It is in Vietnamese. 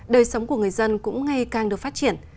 đời sống của người dân cũng ngay càng được phát triển